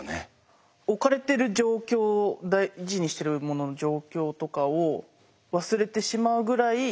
置かれてる状況を大事にしてるものの状況とかを忘れてしまうぐらい